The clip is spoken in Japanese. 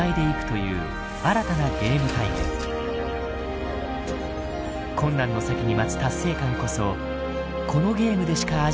困難の先に待つ達成感こそこのゲームでしか味わえない醍醐味だ。